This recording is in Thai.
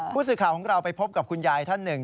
ผู้สื่อข่าวของเราไปพบกับคุณยายท่านหนึ่ง